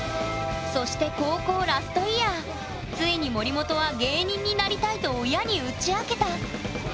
そして高校ラストイヤーついに森本は「芸人になりたい」と親に打ち明けた。